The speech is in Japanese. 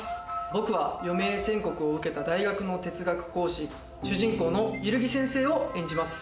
僕は余命宣告を受けた大学の哲学講師、主人公の萬木先生を演じます。